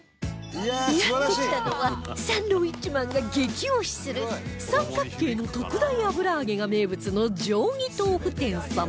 やって来たのはサンドウィッチマンが激推しする三角形の特大あぶらあげが名物の定義とうふ店さん